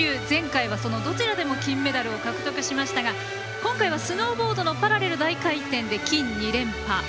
前回は、そのどちらでも金メダルを獲得しましたが今回はスノーボードのパラレル大回転で金２連覇。